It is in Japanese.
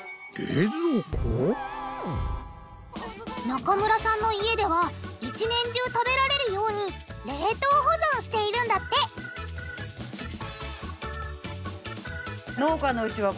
中村さんの家では一年中食べられるように冷凍保存しているんだってへぇ当たり前なんですか？